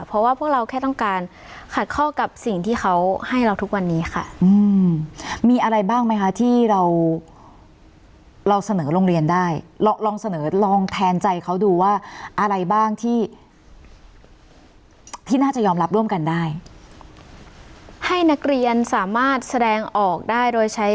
เพราะว่าพวกเราแค่ต้องการขัดข้อกับสิ่งที่เขาให้เราทุกวันนี้ค่ะ